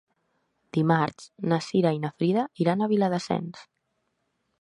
Dimarts na Cira i na Frida iran a Viladasens.